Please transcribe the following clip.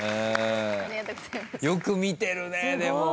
よく見てるねでも。